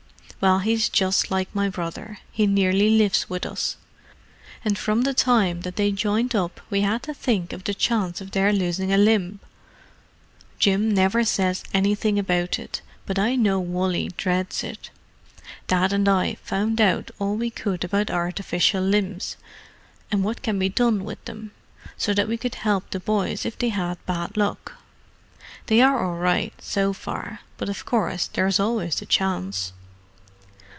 "Well, he's just like my brother—he nearly lives with us. And from the time that they joined up we had to think of the chance of their losing a limb. Jim never says anything about it, but I know Wally dreads it. Dad and I found out all we could about artificial limbs, and what can be done with them, so that we could help the boys if they had bad luck. They are all right, so far, but of course there is always the chance."